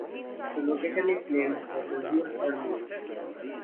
The location is named for the Guilford Mill.